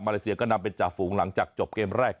เลเซียก็นำเป็นจ่าฝูงหลังจากจบเกมแรก